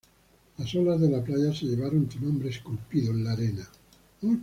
Las olas de la playa se llevaron tu nombre esculpido en la arena